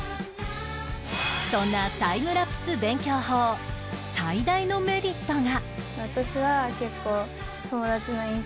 そんなタイムラプス勉強法最大のメリットが